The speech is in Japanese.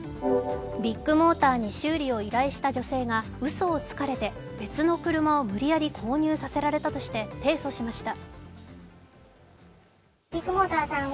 ビッグモーターに修理を依頼した女性が、うそをつかれて別の車を無理やり購入させられたとして提訴しました。